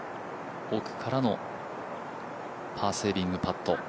奥からのパーセービングパット。